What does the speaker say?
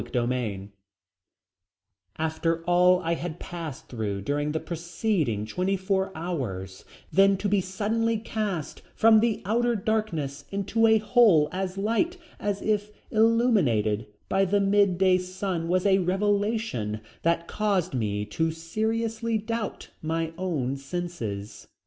CHAPTER V After all I had passed through during the preceding twenty four hours, then to be suddenly cast from the outer darkness into a hole as light as if illuminated by the mid day sun was a revelation that caused me to seriously doubt my own senses.